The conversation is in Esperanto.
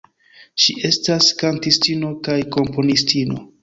Ŝi estas kantistino kaj komponistino.